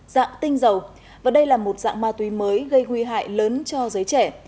dạng tinh dầu và đây là một dạng ma túy mới gây nguy hại lớn cho giới trẻ